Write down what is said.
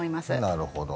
なるほど。